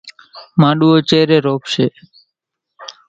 مانڏوُئو چيرين روپاشيَ۔